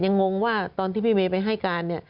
ยังงงว่าตอนที่พี่เมย์ไปให้การ